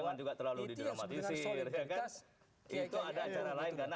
itu ada acara lain karena acara ini undur